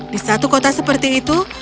di satu kota seperti itu